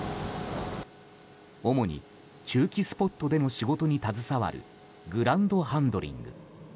主に駐機スポットでの仕事に携わるグランドハンドリング。